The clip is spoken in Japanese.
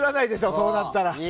そうなったら。